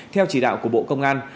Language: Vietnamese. theo chỉ đạo của bộ công an